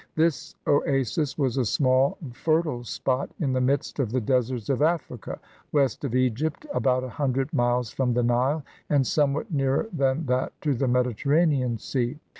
This oasis was a small fertile spot in the midst of the deserts of Africa, west of Egypt, about a hundred miles from the Nile, and somewhat nearer than that to the Mediterranean Sea.